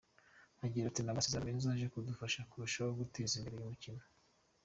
Agira ati “Ni amasezerano meza aje kudufasha kurushaho guteza imbere uyu mukino.